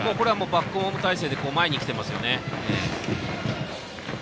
バックホーム態勢で前に来ていますね。